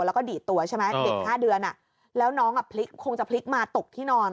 แล้วก็ดีดตัวใช่ไหมเด็ก๕เดือนแล้วน้องคงจะพลิกมาตกที่นอน